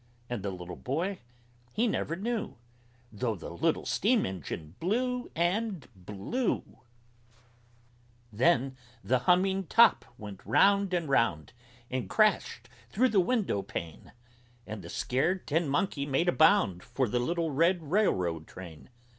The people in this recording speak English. And the little boy he never knew, Though the little Steam Engine blew and blew! Then the Humming Top went round and round, And crashed through the window pane, And the scared Tin Monkey made a bound For the little red Railroad Train.